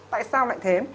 tại sao lại thế